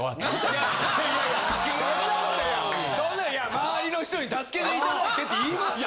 周りの人に助けていただいてって言いましたよ。